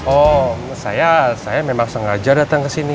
oh saya saya memang sengaja datang ke sini